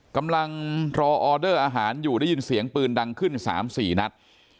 กำลังรอออเดอร์อาหารอยู่ได้ยินเสียงปืนดังขึ้น๓๔นัด